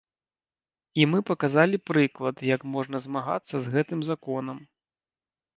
І мы паказалі прыклад, як можна змагацца з гэтым законам.